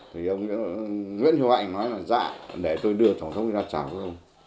thì ông nguyễn hiễu hạnh nói là dạ để tôi đưa tổng thống ra chào với ông